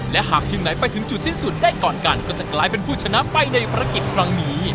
และหากทีมไหนไปถึงจุดสิ้นสุดได้ก่อนกันก็จะกลายเป็นผู้ชนะไปในภารกิจครั้งนี้